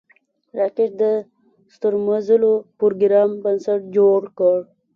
راکټ د ستورمزلو پروګرام بنسټ جوړ کړ